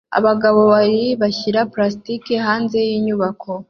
Abagabo babiri bashyira plaster hanze yinyubako